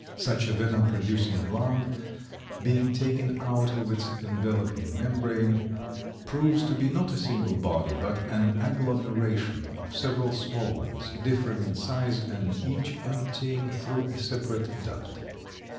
Such a venom producing gland being taken out of its enveloping membrane proves to be not a single body, but an agglomeration of several small ones, differing in size, and each emptying through a separate duct.